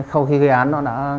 khi ghi án